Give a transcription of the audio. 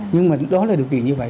nhưng mà đó là điều kiện như vậy